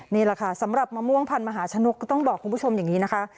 นี่แหละค่ะสำหรับมะม่วงพันธมหาชนกก็ต้องบอกคุณผู้ชมอย่างนี้นะคะ